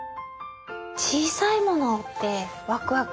小さいものってワクワクしますよね。